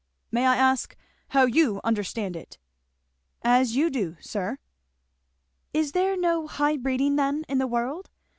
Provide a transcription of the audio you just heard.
"May I ask how you understand it?" "As you do, sir." "Is there no high breeding then in the world?"